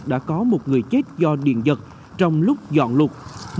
đã có một người chết do điện giật trong lúc dọn lục